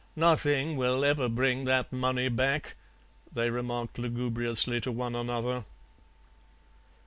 'Nothing will ever bring that money back,' they remarked lugubriously to one another.